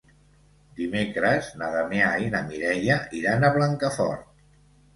Dimecres na Damià i na Mireia iran a Blancafort.